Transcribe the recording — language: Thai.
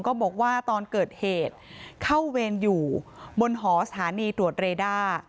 บอกว่าตอนเกิดเหตุเข้าเวรอยู่บนหอสถานีตรวจเรด้า